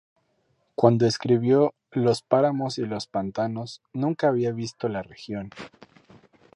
Cuando escribió "Los páramos y los pantanos" nunca había visto la región.